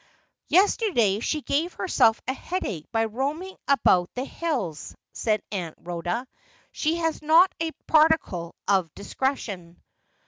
' Yesterday she gave herself a headache by roaming about the hills,' said Aunt Rhoda ;' she has not a particle of discretion.'